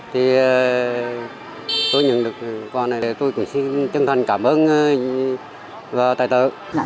thì tôi nhận được quà này tôi cũng xin chân thân cảm ơn và tài tợ